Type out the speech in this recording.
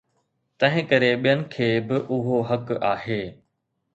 تنهنڪري ٻين کي به اهو حق آهي.